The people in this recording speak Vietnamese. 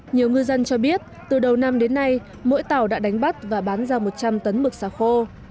nhiều ngư dân cho biết từ đầu năm đến nay mỗi tàu đã đánh bắt và bán ra một trăm linh tấn mực xà khô